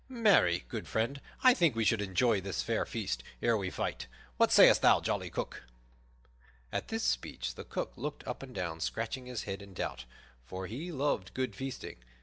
Marry, good friend, I think we should enjoy this fair feast ere we fight. What sayest thou, jolly Cook?" At this speech the Cook looked up and down, scratching his head in doubt, for he loved good feasting.